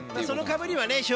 そのかぶりはね